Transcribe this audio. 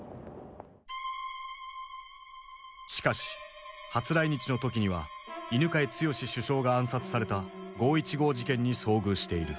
しかし初来日の時には犬養毅首相が暗殺された五・一五事件に遭遇している。